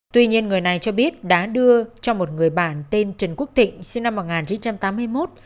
tuy nhiên người này cho biết đã đưa cho một người bạn tên trần quốc tịnh sinh năm một nghìn chín trăm tám mươi một